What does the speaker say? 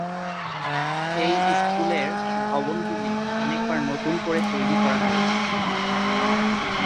এই স্কুলের ভবনগুলি অনেকবার নতুন করে তৈরি করা হয়েছে।